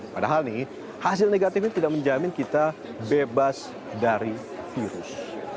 padahal nih hasil negatif ini tidak menjamin kita bebas dari virus